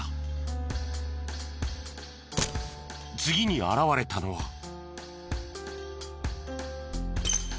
次に現れたのは。